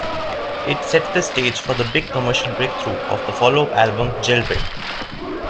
It set the stage for the big commercial breakthrough of the follow-up album, "Jailbreak".